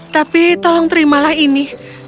tapi tolong terimalah ini